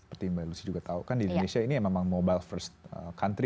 seperti mbak lucy juga tahu kan di indonesia ini memang mobile first country